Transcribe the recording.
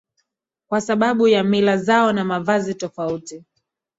Kwa sababu ya mila zao na mavazi tofauti